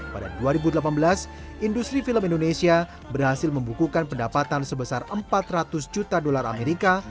pada dua ribu delapan belas industri film indonesia berhasil membukukan pendapatan sebesar empat ratus juta dolar amerika